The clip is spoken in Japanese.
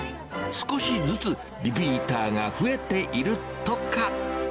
少しずつリピーターが増えているとか。